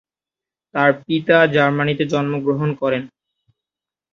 তার পিতা জার্মানিতে জন্মগ্রহণ করেন।